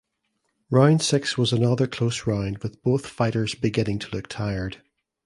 Round six was another close round with both fighters beginning to look tired.